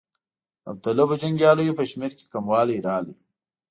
د داوطلبو جنګیالیو په شمېر کې کموالی راغی.